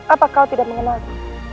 apa kau tidak mengenalku